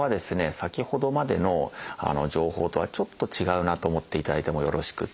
先ほどまでの情報とはちょっと違うなと思っていただいてもよろしくて。